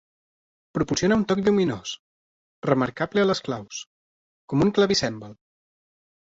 Proporciona un toc lluminós remarcable a les claus, com un clavicèmbal.